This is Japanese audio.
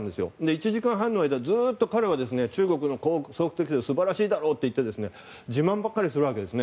１時間半の間ずっと彼は中国のこういうところが素晴らしいだろうと自慢ばかりするんです。